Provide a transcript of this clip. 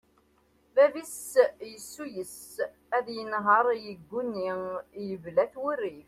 Bab-is yessuyes ad t-yenher, yegguni-t, yebla-t wurrif.